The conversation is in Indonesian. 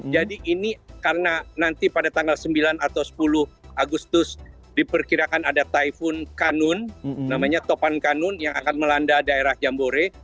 jadi ini karena nanti pada tanggal sembilan atau sepuluh agustus diperkirakan ada typhoon kanun namanya topan kanun yang akan melanda daerah jambore